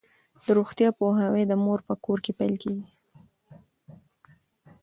د روغتیا پوهاوی د مور په کور کې پیل کیږي.